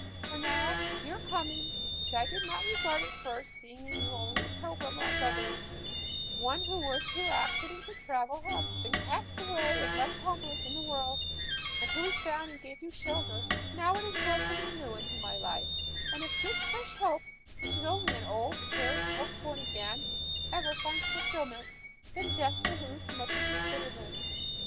For now your coming, which I did not regard at first, seeing in you only a pilgrim like others one who through accidents of travel had been cast away and left homeless in the world, until we found and gave you shelter now, it has brought something new into my life: and if this fresh hope, which is only an old, perished hope born again, ever finds fulfillment, then death will lose much of its bitterness.